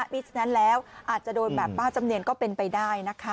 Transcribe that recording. ฉะนั้นแล้วอาจจะโดนแบบป้าจำเนียนก็เป็นไปได้นะคะ